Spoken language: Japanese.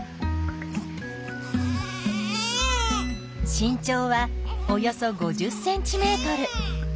身長はおよそ５０ｃｍ。